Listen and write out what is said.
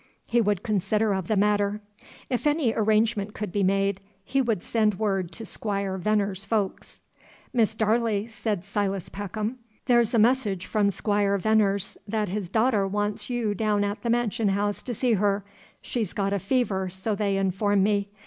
He would consider of the matter. If any arrangement could be made, he would send word to Squire Venner's folks. "Miss Darley," said Silas Peckham, "the' 's a message from Squire Venner's that his daughter wants you down at the mansion house to see her. She's got a fever, so they inform me.